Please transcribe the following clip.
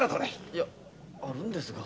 いやあるんですが。